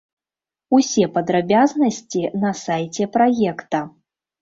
Усе падрабязнасці на сайце праекта.